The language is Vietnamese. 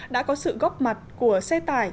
đã có sự góp mặt của xe tải